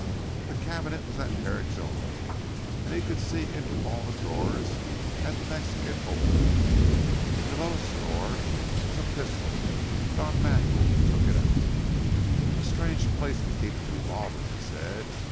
The Cabinet was at Herrick's elbow, and he could see into all the drawers as the Mexican opened them. In the lowest drawer was a pistol. Don Manuel took it out. "A strange place to keep a revolver," he said.